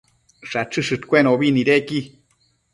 Shachëshëdcuenobi nidequi